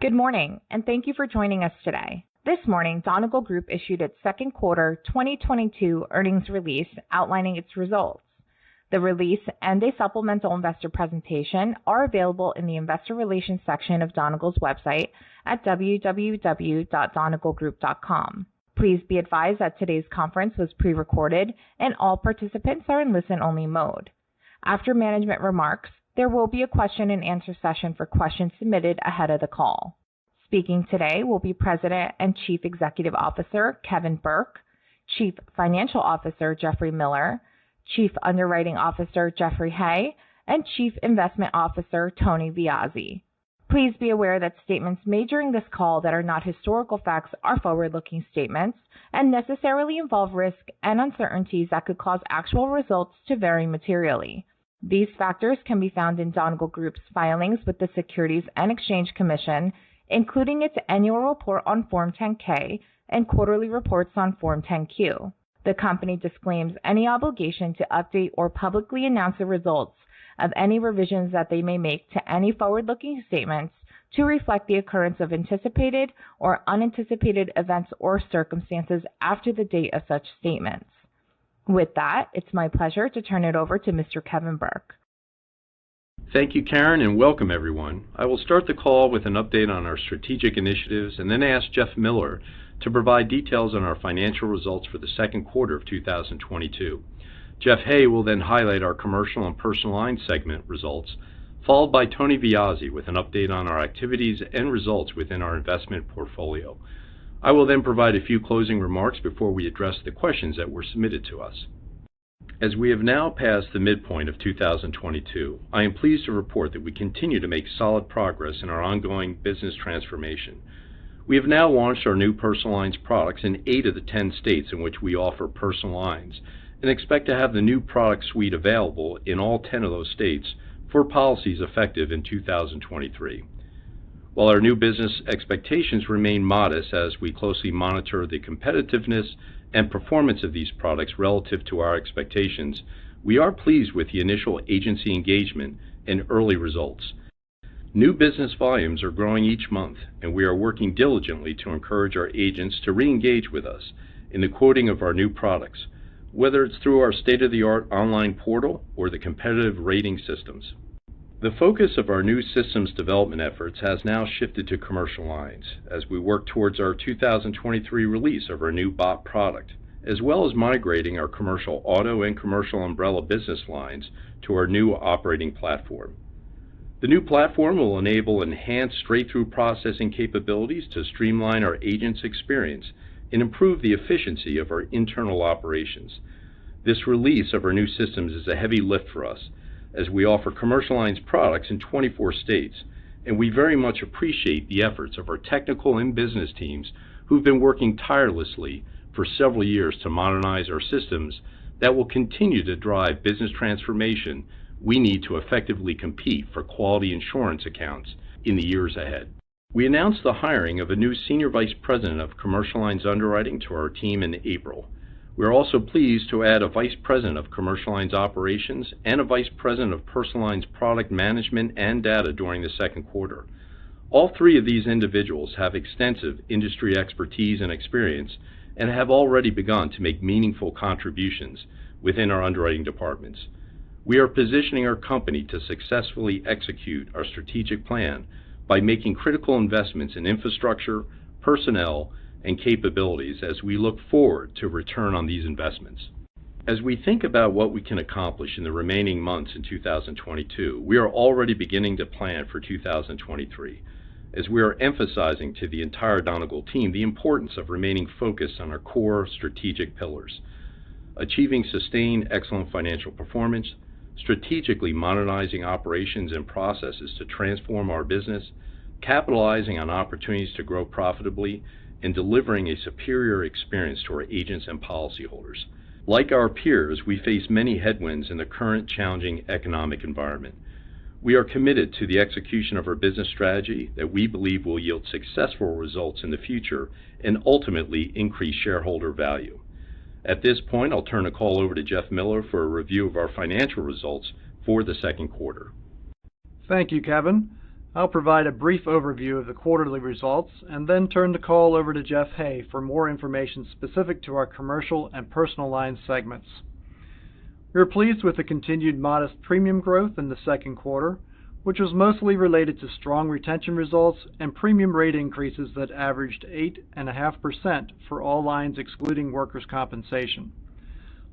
Good morning, and thank you for joining us today. This morning, Donegal Group issued its second quarter 2022 earnings release outlining its results. The release and a supplemental investor presentation are available in the investor relations section of Donegal's website at www.donegalgroup.com. Please be advised that today's conference was pre-recorded and all participants are in listen-only mode. After management remarks, there will be a question-and-answer session for questions submitted ahead of the call. Speaking today will be President and Chief Executive Officer, Kevin Burke; Chief Financial Officer, Jeffrey Miller; Chief Underwriting Officer, Jeffery Hay; and Chief Investment Officer, Tony Viozzi. Please be aware that statements made during this call that are not historical facts are forward-looking statements and necessarily involve risks and uncertainties that could cause actual results to vary materially. These factors can be found in Donegal Group's filings with the Securities and Exchange Commission, including its annual report on Form 10-K and quarterly reports on Form 10-Q. The company disclaims any obligation to update or publicly announce the results of any revisions that they may make to any forward-looking statements to reflect the occurrence of anticipated or unanticipated events or circumstances after the date of such statements. With that, it's my pleasure to turn it over to Mr. Kevin Burke. Thank you, Karin, and welcome everyone. I will start the call with an update on our strategic initiatives and then ask Jeff Miller to provide details on our financial results for the second quarter of 2022. Jeff Hay will then highlight our commercial and personal line segment results, followed by Tony Viozzi with an update on our activities and results within our investment portfolio. I will then provide a few closing remarks before we address the questions that were submitted to us. We have now passed the midpoint of 2022. I am pleased to report that we continue to make solid progress in our ongoing business transformation. We have now launched our new personal lines products in eight of the 10 states in which we offer personal lines and expect to have the new product suite available in all 10 of those states for policies effective in 2023. While our new business expectations remain modest as we closely monitor the competitiveness and performance of these products relative to our expectations, we are pleased with the initial agency engagement and early results. New business volumes are growing each month, and we are working diligently to encourage our agents to reengage with us in the quoting of our new products, whether it's through our state-of-the-art online portal or the competitive rating systems. The focus of our new systems development efforts has now shifted to Commercial Lines as we work towards our 2023 release of our new BOP product, as well as migrating our Commercial Auto and Commercial Umbrella business lines to our new operating platform. The new platform will enable enhanced straight-through processing capabilities to streamline our agents' experience and improve the efficiency of our internal operations. This release of our new systems is a heavy lift for us as we offer Commercial Lines products in 24 states, and we very much appreciate the efforts of our technical and business teams who've been working tirelessly for several years to modernize our systems that will continue to drive business transformation we need to effectively compete for quality insurance accounts in the years ahead. We announced the hiring of a new senior vice president of commercial lines underwriting to our team in April. We're also pleased to add a vice president of commercial lines operations and a vice president of personal lines product management and data during the second quarter. All three of these individuals have extensive industry expertise and experience and have already begun to make meaningful contributions within our underwriting departments. We are positioning our company to successfully execute our strategic plan by making critical investments in infrastructure, personnel, and capabilities as we look forward to return on these investments. As we think about what we can accomplish in the remaining months in 2022, we are already beginning to plan for 2023 as we are emphasizing to the entire Donegal team the importance of remaining focused on our core strategic pillars, achieving sustained excellent financial performance, strategically modernizing operations and processes to transform our business, capitalizing on opportunities to grow profitably, and delivering a superior experience to our agents and policyholders. Like our peers, we face many headwinds in the current challenging economic environment. We are committed to the execution of our business strategy that we believe will yield successful results in the future and ultimately increase shareholder value. At this point, I'll turn the call over to Jeff Miller for a review of our financial results for the second quarter. Thank you, Kevin. I'll provide a brief overview of the quarterly results and then turn the call over to Jeff Hay for more information specific to our commercial and personal line segments. We're pleased with the continued modest premium growth in the second quarter, which was mostly related to strong retention results and premium rate increases that averaged 8.5% for all lines excluding workers' compensation.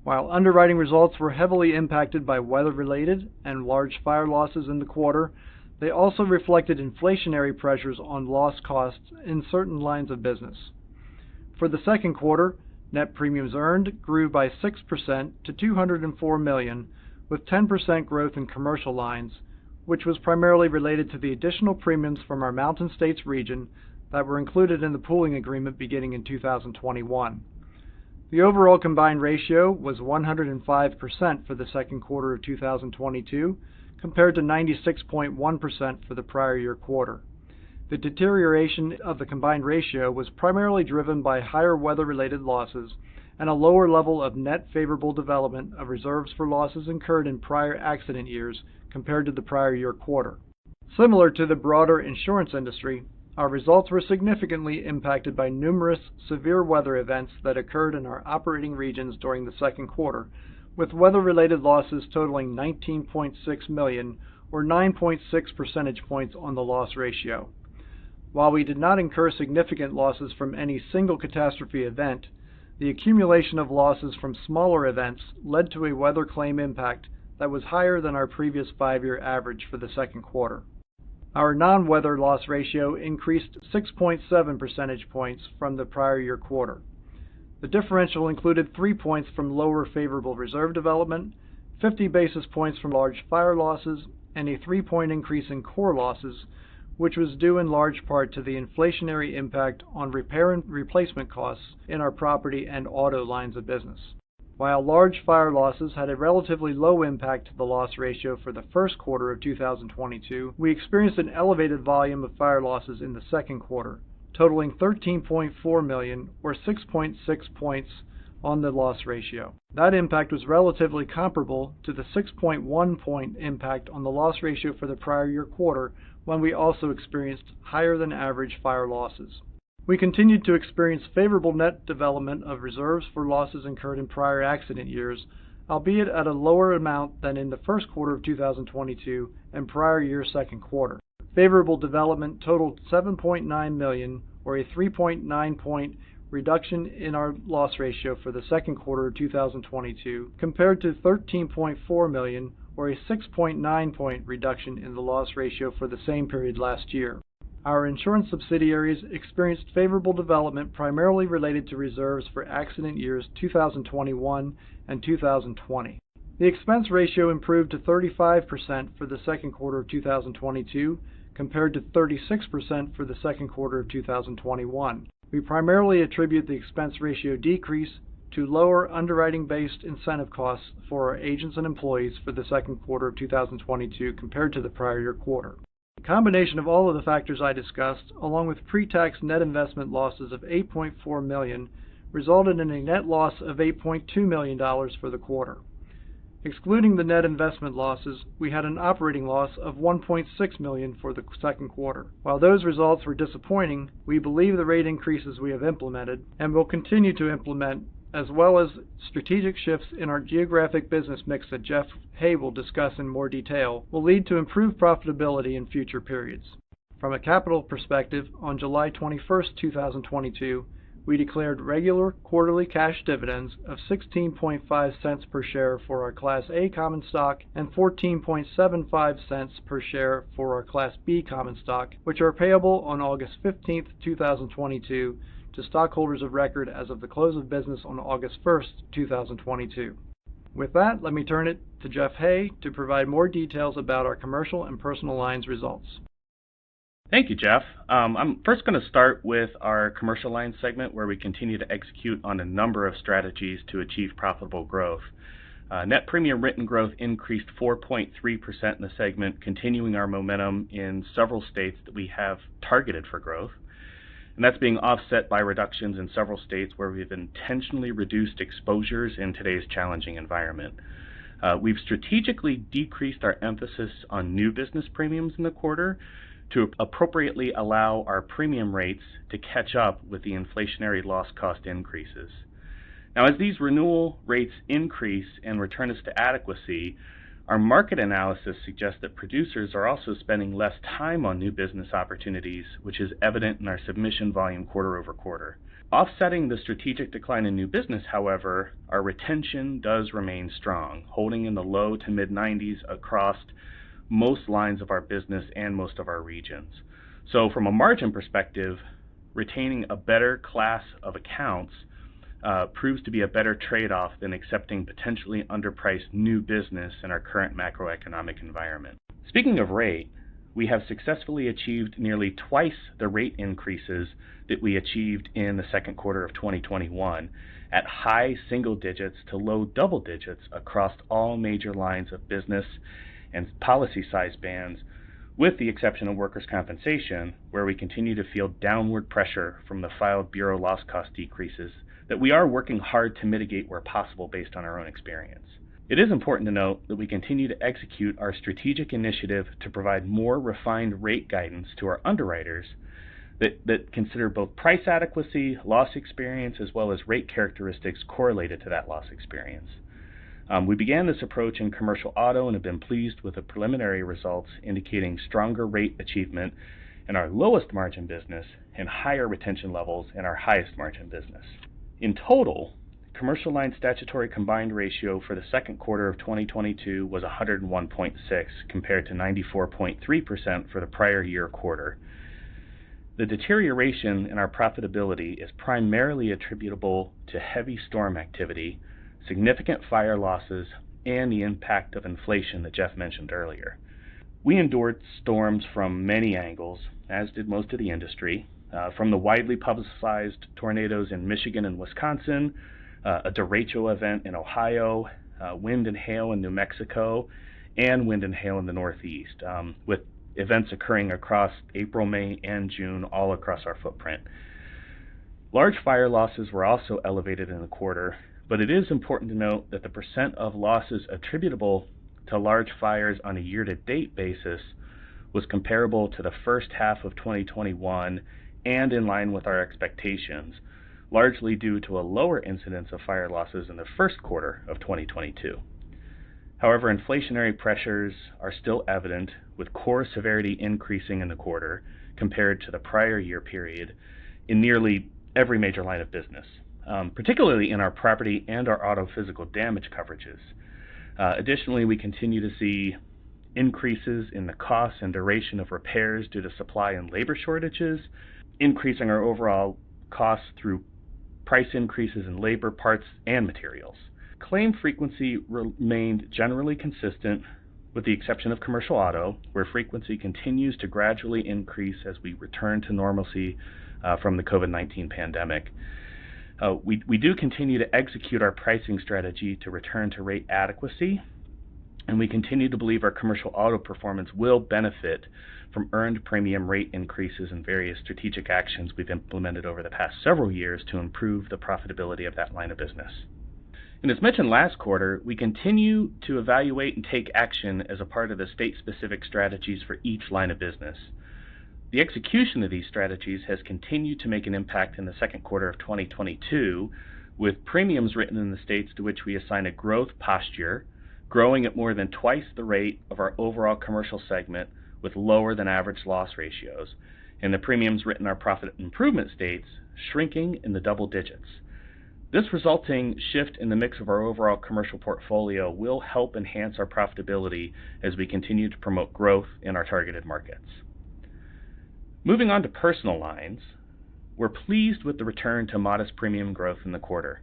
While underwriting results were heavily impacted by weather-related and large fire losses in the quarter, they also reflected inflationary pressures on loss costs in certain lines of business. For the second quarter, net premiums earned grew by 6% to $204 million with 10% growth in commercial lines, which was primarily related to the additional premiums from our Mountain States region that were included in the pooling agreement beginning in 2021. The overall combined ratio was 105% for the second quarter of 2022 compared to 96.1% for the prior year quarter. The deterioration of the combined ratio was primarily driven by higher weather-related losses and a lower level of net favorable development of reserves for losses incurred in prior accident years compared to the prior year quarter. Similar to the broader insurance industry, our results were significantly impacted by numerous severe weather events that occurred in our operating regions during the second quarter, with weather-related losses totaling $19.6 million, or 9.6 percentage points on the loss ratio. While we did not incur significant losses from any single catastrophe event, the accumulation of losses from smaller events led to a weather claim impact that was higher than our previous five-year average for the second quarter. Our non-weather loss ratio increased 6.7 percentage points from the prior year quarter. The differential included three points from lower favorable reserve development, 50 basis points from large fire losses, and a three-point increase in core losses, which was due in large part to the inflationary impact on repair and replacement costs in our property and auto lines of business. While large fire losses had a relatively low impact to the loss ratio for the first quarter of 2022, we experienced an elevated volume of fire losses in the second quarter, totaling $13.4 million or 6.6 points on the loss ratio. That impact was relatively comparable to the 6.1-point impact on the loss ratio for the prior year quarter when we also experienced higher than average fire losses. We continued to experience favorable net development of reserves for losses incurred in prior accident years, albeit at a lower amount than in the first quarter of 2022 and prior year second quarter. Favorable development totaled $7.9 million or a 3.9-point reduction in our loss ratio for the second quarter of 2022 compared to $13.4 million or a 6.9-point reduction in the loss ratio for the same period last year. Our insurance subsidiaries experienced favorable development primarily related to reserves for accident years 2021 and 2020. The expense ratio improved to 35% for the second quarter of 2022 compared to 36% for the second quarter of 2021. We primarily attribute the expense ratio decrease to lower underwriting-based incentive costs for our agents and employees for the second quarter of 2022 compared to the prior year quarter. A combination of all of the factors I discussed, along with pre-tax net investment losses of $8.4 million, resulted in a net loss of $8.2 million for the quarter. Excluding the net investment losses, we had an operating loss of $1.6 million for the second quarter. While those results were disappointing, we believe the rate increases we have implemented and will continue to implement, as well as strategic shifts in our geographic business mix that Jeff Hay will discuss in more detail, will lead to improved profitability in future periods. From a capital perspective, on July 21st, 2022, we declared regular quarterly cash dividends of $0.165 per share for our Class A common stock and $0.1475 per share for our Class B common stock, which are payable on August 15th, 2022 to stockholders of record as of the close of business on August 1st, 2022. With that, let me turn it to Jeff Hay to provide more details about our commercial and personal lines results. Thank you, Jeff. I'm first gonna start with our commercial lines segment where we continue to execute on a number of strategies to achieve profitable growth. Net premiums written growth increased 4.3% in the segment, continuing our momentum in several states that we have targeted for growth. That's being offset by reductions in several states where we have intentionally reduced exposures in today's challenging environment. We've strategically decreased our emphasis on new business premiums in the quarter to appropriately allow our premium rates to catch up with the inflationary loss cost increases. Now, as these renewal rates increase and return us to adequacy, our market analysis suggests that producers are also spending less time on new business opportunities, which is evident in our submission volume quarter-over-quarter. Offsetting the strategic decline in new business, however, our retention does remain strong, holding in the low to mid-90s% across most lines of our business and most of our regions. From a margin perspective, retaining a better class of accounts, proves to be a better trade-off than accepting potentially underpriced new business in our current macroeconomic environment. Speaking of rate, we have successfully achieved nearly twice the rate increases that we achieved in the second quarter of 2021 at high single digits% to low double digits% across all major lines of business and policy size bands, with the exception of workers' compensation, where we continue to feel downward pressure from the filed bureau loss cost decreases that we are working hard to mitigate where possible based on our own experience. It is important to note that we continue to execute our strategic initiative to provide more refined rate guidance to our underwriters that consider both price adequacy, loss experience, as well as rate characteristics correlated to that loss experience. We began this approach in Commercial Auto and have been pleased with the preliminary results indicating stronger rate achievement in our lowest margin business and higher retention levels in our highest margin business. In total, commercial line statutory combined ratio for the second quarter of 2022 was 101.6%, compared to 94.3% for the prior year quarter. The deterioration in our profitability is primarily attributable to heavy storm activity, significant fire losses, and the impact of inflation that Jeff mentioned earlier. We endured storms from many angles, as did most of the industry, from the widely publicized tornadoes in Michigan and Wisconsin, a derecho event in Ohio, wind and hail in New Mexico, and wind and hail in the Northeast, with events occurring across April, May, and June all across our footprint. Large fire losses were also elevated in the quarter. It is important to note that the percent of losses attributable to large fires on a year-to-date basis was comparable to the first half of 2021 and in line with our expectations, largely due to a lower incidence of fire losses in the first quarter of 2022. However, inflationary pressures are still evident, with core severity increasing in the quarter compared to the prior year period in nearly every major line of business, particularly in our property and our auto physical damage coverages. Additionally, we continue to see increases in the cost and duration of repairs due to supply and labor shortages, increasing our overall costs through price increases in labor, parts, and materials. Claim frequency remained generally consistent with the exception of Commercial Auto, where frequency continues to gradually increase as we return to normalcy from the COVID-19 pandemic. We do continue to execute our pricing strategy to return to rate adequacy, and we continue to believe our Commercial Auto performance will benefit from earned premium rate increases and various strategic actions we've implemented over the past several years to improve the profitability of that line of business. As mentioned last quarter, we continue to evaluate and take action as a part of the state-specific strategies for each line of business. The execution of these strategies has continued to make an impact in the second quarter of 2022, with premiums written in the states to which we assign a growth posture growing at more than twice the rate of our overall commercial segment with lower than average loss ratios, and the premiums written in our profit improvement states shrinking in the double digits. This resulting shift in the mix of our overall commercial portfolio will help enhance our profitability as we continue to promote growth in our targeted markets. Moving on to personal lines, we're pleased with the return to modest premium growth in the quarter.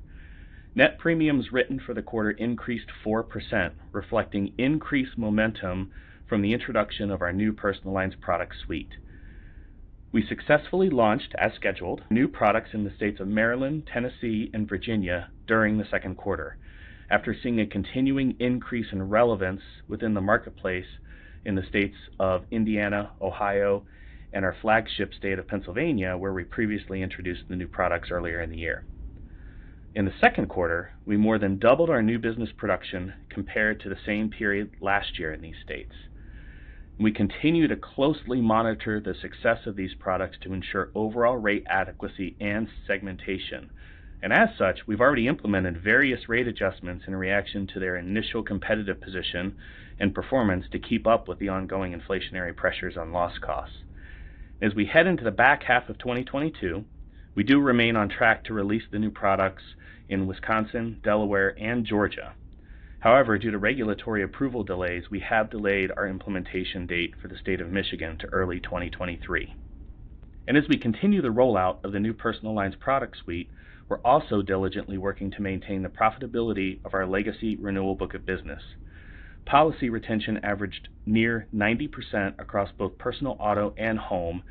Net premiums written for the quarter increased 4%, reflecting increased momentum from the introduction of our new personal lines product suite. We successfully launched, as scheduled, new products in the states of Maryland, Tennessee, and Virginia during the second quarter. After seeing a continuing increase in relevance within the marketplace in the states of Indiana, Ohio, and our flagship state of Pennsylvania, where we previously introduced the new products earlier in the year, in the second quarter, we more than doubled our new business production compared to the same period last year in these states. We continue to closely monitor the success of these products to ensure overall rate adequacy and segmentation. As such, we've already implemented various rate adjustments in reaction to their initial competitive position and performance to keep up with the ongoing inflationary pressures on loss costs. As we head into the back half of 2022, we do remain on track to release the new products in Wisconsin, Delaware, and Georgia. However, due to regulatory approval delays, we have delayed our implementation date for the state of Michigan to early 2023. As we continue the rollout of the new personal lines product suite, we're also diligently working to maintain the profitability of our legacy renewal book of business. Policy retention averaged near 90% across both personal auto and home,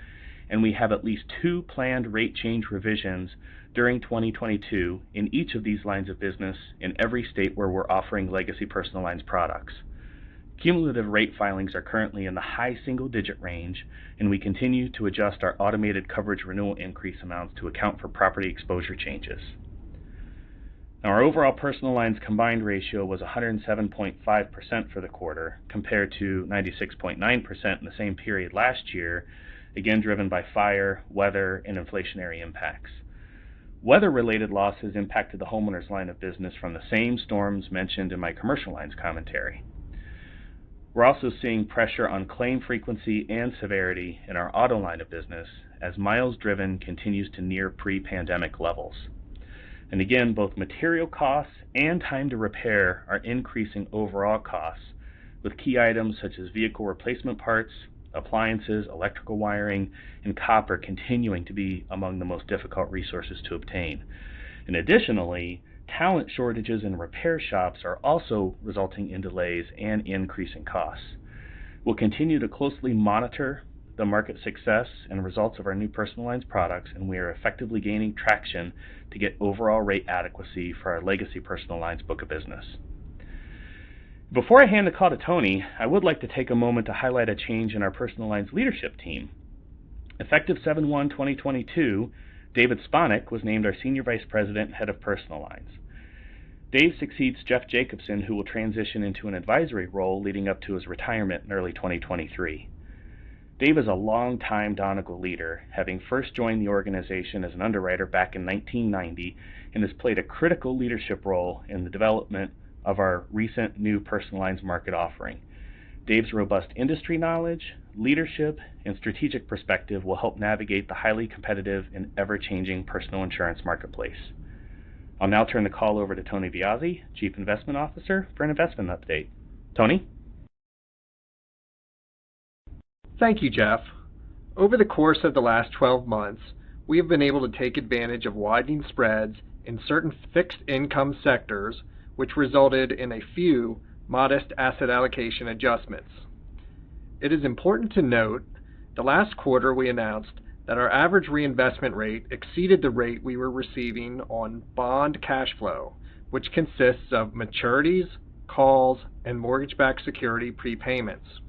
and we have at least two planned rate change revisions during 2022 in each of these lines of business in every state where we're offering legacy personal lines products. Cumulative rate filings are currently in the high single-digit range, and we continue to adjust our automated coverage renewal increase amounts to account for property exposure changes. Now our overall personal lines combined ratio was 107.5% for the quarter, compared to 96.9% in the same period last year, again, driven by fire, weather, and inflationary impacts. Weather-related losses impacted the Homeowners line of business from the same storms mentioned in my commercial lines commentary. We're also seeing pressure on claim frequency and severity in our auto line of business as miles driven continues to near pre-pandemic levels. Again, both material costs and time to repair are increasing overall costs with key items such as vehicle replacement parts, appliances, electrical wiring, and copper continuing to be among the most difficult resources to obtain. Additionally, talent shortages in repair shops are also resulting in delays and increasing costs. We'll continue to closely monitor the market success and results of our new personal lines products, and we are effectively gaining traction to get overall rate adequacy for our legacy personal lines book of business. Before I hand the call to Tony, I would like to take a moment to highlight a change in our personal lines leadership team. Effective 7/1/2022, David Sponic was named our Senior Vice President, Head of Personal Lines. Dave succeeds Jeff Jacobsen, who will transition into an advisory role leading up to his retirement in early 2023. Dave is a longtime Donegal leader, having first joined the organization as an underwriter back in 1990, and has played a critical leadership role in the development of our recent new personal lines market offering. Dave's robust industry knowledge, leadership, and strategic perspective will help navigate the highly competitive and ever-changing personal insurance marketplace. I'll now turn the call over to Tony Viozzi, Chief Investment Officer, for an investment update. Tony? Thank you, Jeff. Over the course of the last 12 months, we have been able to take advantage of widening spreads in certain fixed income sectors, which resulted in a few modest asset allocation adjustments. It is important to note the last quarter we announced that our average reinvestment rate exceeded the rate we were receiving on bond cash flow, which consists of maturities, calls, and mortgage-backed security prepayments.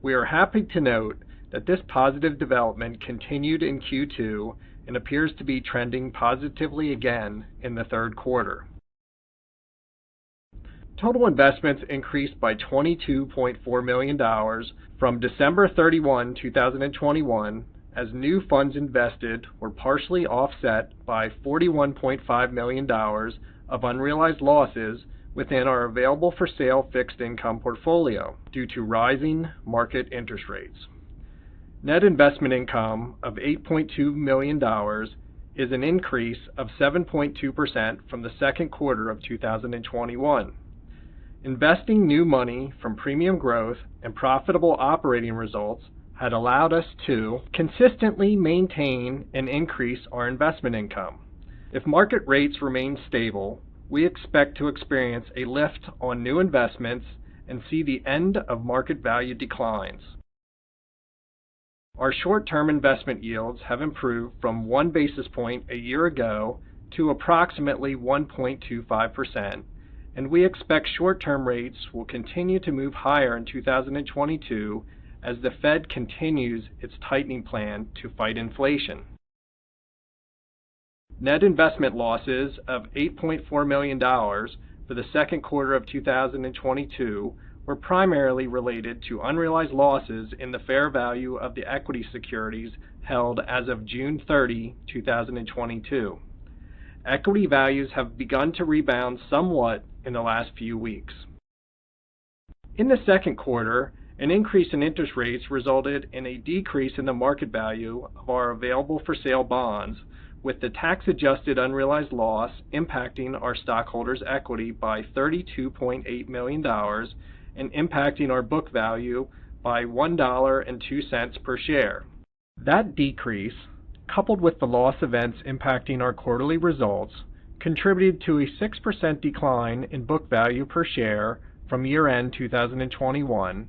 We are happy to note that this positive development continued in Q2 and appears to be trending positively again in the third quarter. Total investments increased by $22.4 million from December 31, 2021 as new funds invested were partially offset by $41.5 million of unrealized losses within our available for sale fixed income portfolio due to rising market interest rates. Net investment income of $8.2 million is an increase of 7.2% from Q2 2021. Investing new money from premium growth and profitable operating results had allowed us to consistently maintain and increase our investment income. If market rates remain stable, we expect to experience a lift on new investments and see the end of market value declines. Our short-term investment yields have improved from one basis point a year ago to approximately 1.25%, and we expect short-term rates will continue to move higher in 2022 as the Fed continues its tightening plan to fight inflation. Net investment losses of $8.4 million for the second quarter of 2022 were primarily related to unrealized losses in the fair value of the equity securities held as of June 30, 2022. Equity values have begun to rebound somewhat in the last few weeks. In the second quarter, an increase in interest rates resulted in a decrease in the market value of our available for sale bonds, with the tax-adjusted unrealized loss impacting our stockholders' equity by $32.8 million and impacting our book value by $1.02 per share. That decrease, coupled with the loss events impacting our quarterly results, contributed to a 6% decline in book value per share from year-end 2021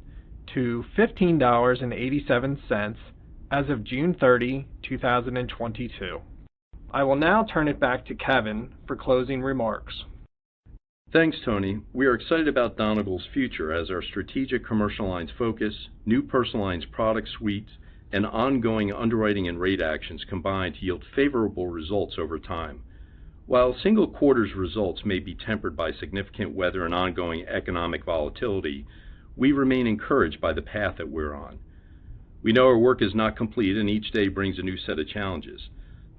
to $15.87 as of June 30, 2022. I will now turn it back to Kevin for closing remarks. Thanks, Tony. We are excited about Donegal's future as our strategic commercial lines focus, new personal lines product suites, and ongoing underwriting and rate actions combine to yield favorable results over time. While single quarters results may be tempered by significant weather and ongoing economic volatility, we remain encouraged by the path that we're on. We know our work is not complete, and each day brings a new set of challenges.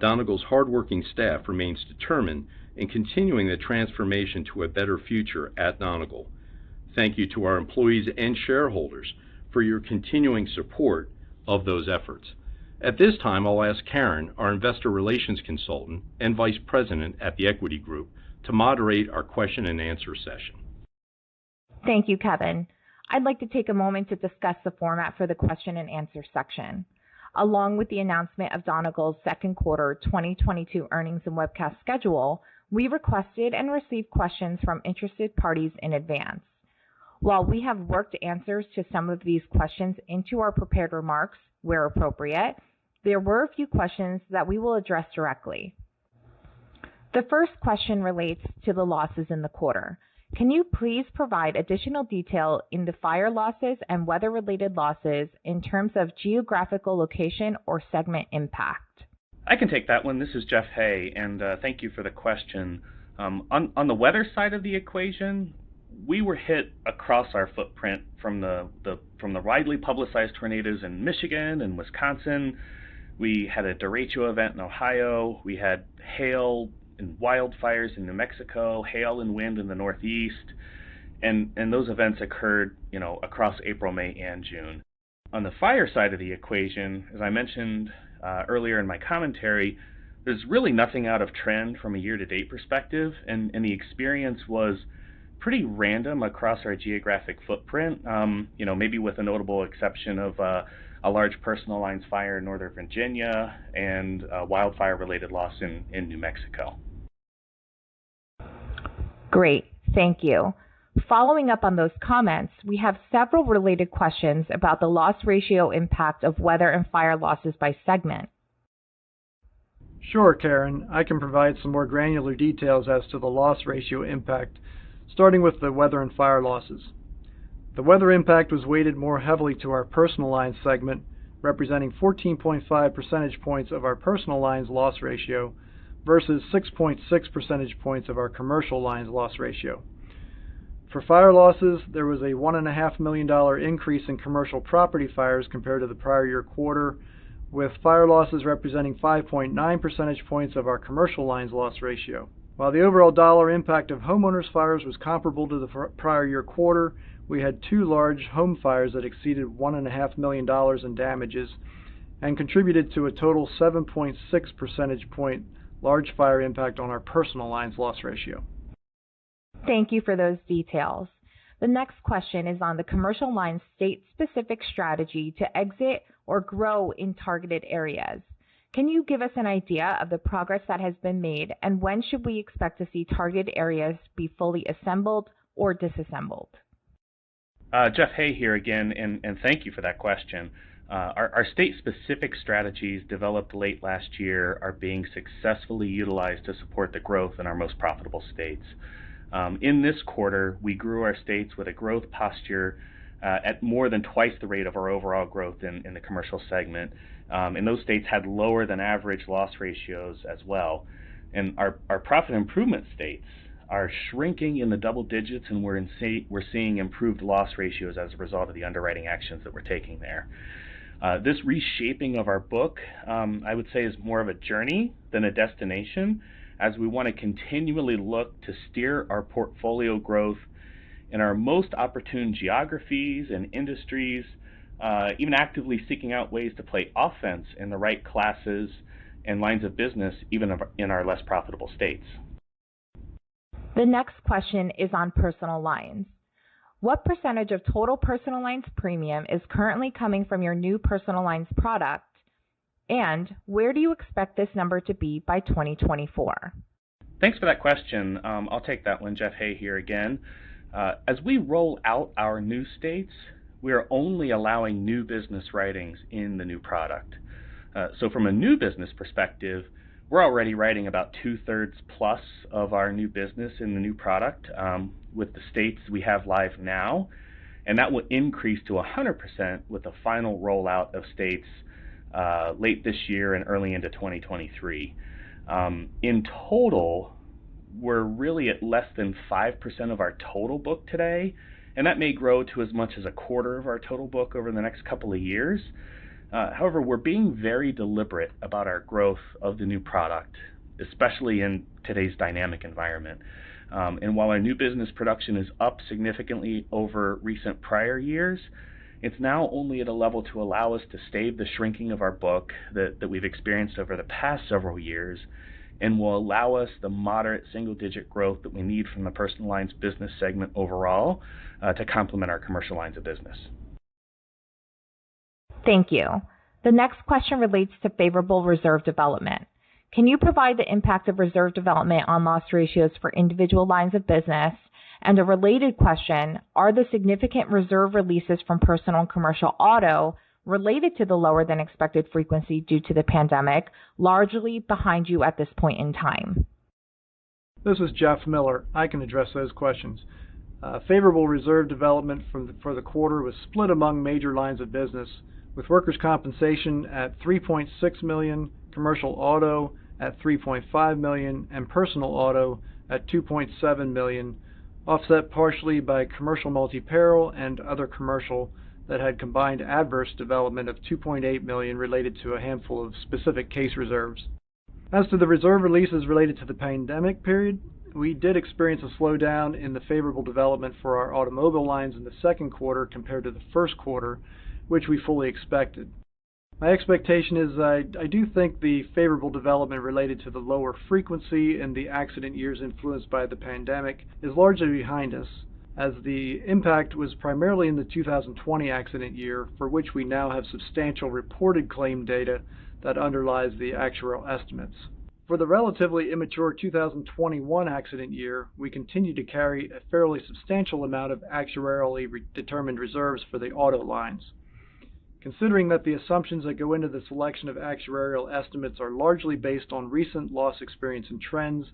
Donegal's hardworking staff remains determined in continuing the transformation to a better future at Donegal. Thank you to our employees and shareholders for your continuing support of those efforts. At this time, I'll ask Karin, our investor relations consultant and vice president at The Equity Group, to moderate our question-and-answer session. Thank you, Kevin. I'd like to take a moment to discuss the format for the question-and-answer section. Along with the announcement of Donegal's second quarter 2022 earnings and webcast schedule, we requested and received questions from interested parties in advance. While we have worked answers to some of these questions into our prepared remarks where appropriate, there were a few questions that we will address directly. The first question relates to the losses in the quarter. Can you please provide additional detail in the fire losses and weather-related losses in terms of geographical location or segment impact? I can take that one. This is Jeff Hay, and thank you for the question. On the weather side of the equation, we were hit across our footprint from the widely publicized tornadoes in Michigan and Wisconsin. We had a derecho event in Ohio. We had hail and wildfires in New Mexico, hail and wind in the Northeast. Those events occurred, you know, across April, May, and June. On the fire side of the equation, as I mentioned earlier in my commentary, there's really nothing out of trend from a year-to-date perspective, and the experience was pretty random across our geographic footprint, you know, maybe with the notable exception of a large personal lines fire in Northern Virginia and a wildfire-related loss in New Mexico. Great. Thank you. Following up on those comments, we have several related questions about the loss ratio impact of weather and fire losses by segment. Sure, Karin. I can provide some more granular details as to the loss ratio impact, starting with the weather and fire losses. The weather impact was weighted more heavily to our personal lines segment, representing 14.5 percentage points of our personal lines loss ratio versus 6.6 percentage points of our commercial lines loss ratio. For fire losses, there was a $1.5 million increase in commercial property fires compared to the prior year quarter, with fire losses representing 5.9 percentage points of our commercial lines loss ratio. While the overall dollar impact of homeowners' fires was comparable to the prior year quarter, we had two large home fires that exceeded $1.5 million in damages and contributed to a total 7.6 percentage point large fire impact on our personal lines loss ratio. Thank you for those details. The next question is on the commercial lines state-specific strategy to exit or grow in targeted areas. Can you give us an idea of the progress that has been made, and when should we expect to see targeted areas be fully assembled or disassembled? Jeff Hay here again, and thank you for that question. Our state-specific strategies developed late last year are being successfully utilized to support the growth in our most profitable states. In this quarter, we grew our states with a growth posture at more than twice the rate of our overall growth in the commercial segment. Those states had lower than average loss ratios as well. Our profit improvement states are shrinking in the double digits, and we're seeing improved loss ratios as a result of the underwriting actions that we're taking there. This reshaping of our book, I would say is more of a journey than a destination as we wanna continually look to steer our portfolio growth in our most opportune geographies and industries, even actively seeking out ways to play offense in the right classes and lines of business, in our less profitable states. The next question is on personal lines. What percentage of total personal lines premium is currently coming from your new personal lines product, and where do you expect this number to be by 2024? Thanks for that question. I'll take that one. Jeff Hay here again. As we roll out our new states, we are only allowing new business writings in the new product. From a new business perspective, we're already writing about two-thirds plus of our new business in the new product, with the states we have live now, and that will increase to 100% with the final rollout of states, late this year and early into 2023. In total, we're really at less than 5% of our total book today, and that may grow to as much as a quarter of our total book over the next couple of years. However, we're being very deliberate about our growth of the new product, especially in today's dynamic environment. While our new business production is up significantly over recent prior years, it's now only at a level to allow us to stave the shrinking of our book that we've experienced over the past several years and will allow us the moderate single-digit growth that we need from the personal lines business segment overall to complement our commercial lines of business. Thank you. The next question relates to favorable reserve development. Can you provide the impact of reserve development on loss ratios for individual lines of business? A related question, are the significant reserve releases from Personal and Commercial Auto related to the lower than expected frequency due to the pandemic largely behind you at this point in time? This is Jeff Miller. I can address those questions. Favorable reserve development for the quarter was split among major lines of business, with workers' compensation at $3.6 million, commercial auto at $3.5 million, and personal auto at $2.7 million, offset partially by commercial multi-peril and other commercial that had combined adverse development of $2.8 million related to a handful of specific case reserves. As to the reserve releases related to the pandemic period, we did experience a slowdown in the favorable development for our automobile lines in the second quarter compared to the first quarter, which we fully expected. My expectation is I do think the favorable development related to the lower frequency in the accident years influenced by the pandemic is largely behind us, as the impact was primarily in the 2020 accident year for which we now have substantial reported claim data that underlies the actuarial estimates. For the relatively immature 2021 accident year, we continue to carry a fairly substantial amount of actuarially determined reserves for the auto lines. Considering that the assumptions that go into the selection of actuarial estimates are largely based on recent loss experience and trends,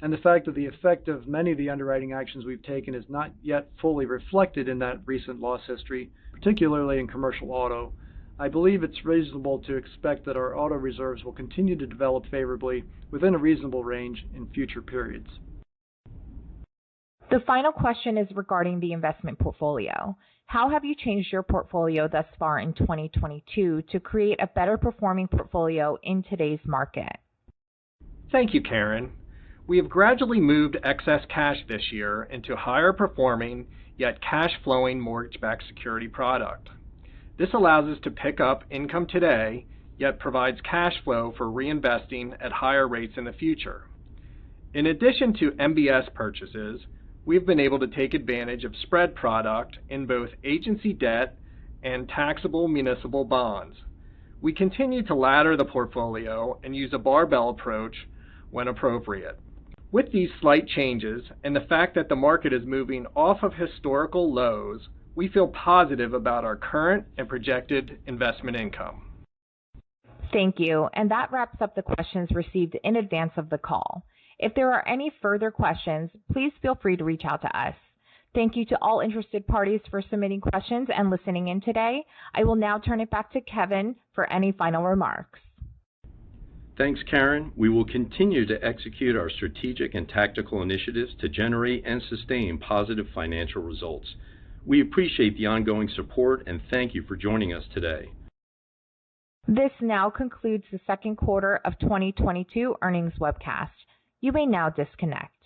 and the fact that the effect of many of the underwriting actions we've taken is not yet fully reflected in that recent loss history, particularly in Commercial Auto, I believe it's reasonable to expect that our auto reserves will continue to develop favorably within a reasonable range in future periods. The final question is regarding the investment portfolio. How have you changed your portfolio thus far in 2022 to create a better performing portfolio in today's market? Thank you, Karin. We have gradually moved excess cash this year into higher performing yet cash flowing mortgage-backed security product. This allows us to pick up income today, yet provides cash flow for reinvesting at higher rates in the future. In addition to MBS purchases, we've been able to take advantage of spread product in both agency debt and taxable municipal bonds. We continue to ladder the portfolio and use a barbell approach when appropriate. With these slight changes and the fact that the market is moving off of historical lows, we feel positive about our current and projected investment income. Thank you. That wraps up the questions received in advance of the call. If there are any further questions, please feel free to reach out to us. Thank you to all interested parties for submitting questions and listening in today. I will now turn it back to Kevin for any final remarks. Thanks, Karin. We will continue to execute our strategic and tactical initiatives to generate and sustain positive financial results. We appreciate the ongoing support and thank you for joining us today. This now concludes the second quarter of 2022 earnings webcast. You may now disconnect.